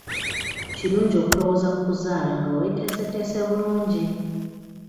Kirungi okulowooza ku kuzaala nga weeteeseteese bulungi.